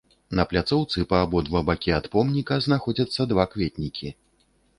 На пляцоўцы па абодва бакі ад помніка знаходзяцца два кветнікі.